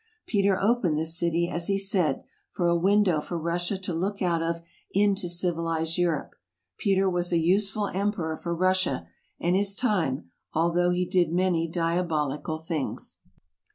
Peter opened this city, as he said, for a window for Russia to look out of into EUROPE 237 civilized Europe. Peter was a useful emperor for Russia and his time, although he did many diabolical things.